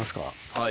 はい。